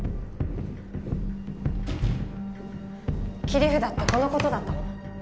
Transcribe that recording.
切り札ってこの事だったの？